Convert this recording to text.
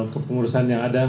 kepengurusan yang ada